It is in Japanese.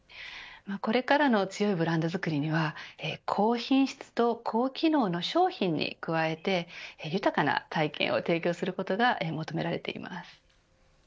これからの強いブランドづくりには高品質と高機能の商品に加えて豊かな体験を提供することが求められています。